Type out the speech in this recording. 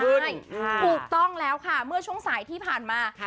ใช่ถูกต้องแล้วค่ะเมื่อช่วงสายที่ผ่านมา